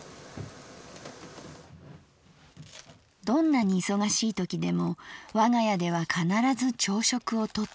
「どんなに忙しいときでもわが家ではかならず朝食をとった。